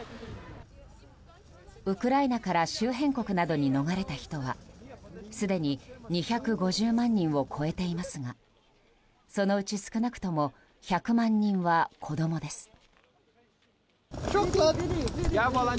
ウクライナから周辺国などに逃れた人はすでに２５０万人を超えていますがそのうち、少なくとも１００万人は子供です。